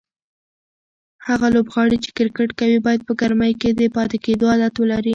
هغه لوبغاړي چې کرکټ کوي باید په ګرمۍ کې د پاتې کېدو عادت ولري.